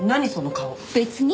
別に。